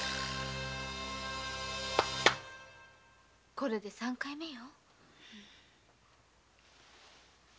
これで三回目よ。